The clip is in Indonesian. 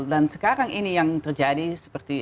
dan sekarang ini yang terjadi seperti